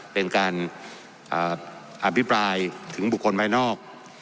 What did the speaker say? เป็นการอภิปรายถึงบุคคลภายนอก